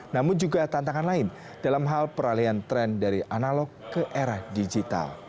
namun juga tantangan lain dalam hal peralian tren dari analog ke era digital